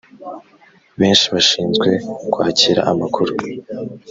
benshi bashinzwe kwakira amakuru